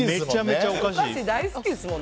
お菓子好きですもんね。